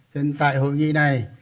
nên tại hội nghị này